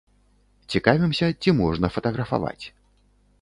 Цікавімся, ці можна фатаграфаваць?